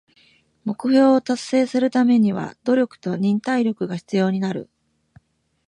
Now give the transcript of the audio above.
目標を達成するためには努力と忍耐力が必要になる。